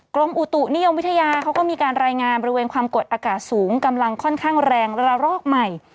กรมอุตุนิยมวิทยาเขาก็มีการรายงานบริเวณความกดอากาศสูงกำลังค่อนข้างแรงระลอกใหม่